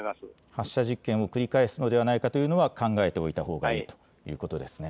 発射実験を繰り返すのではないかというのは考えておいたほうがいいということですね。